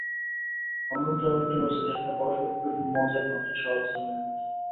গণতন্ত্র এমন একটি ব্যবস্থা, যেখানে পরস্পরবিরোধী মতের মানুষের সহাবস্থান মেনে নিতে হয়।